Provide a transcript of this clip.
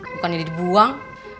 bukan yang dibuang